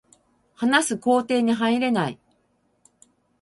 話す工程に入れない